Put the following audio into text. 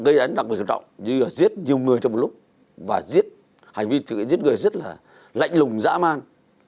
gây án đặc biệt quan trọng như là giết nhiều người trong một lúc và giết hành vi tội phạm giết người rất là lạnh lùng dã man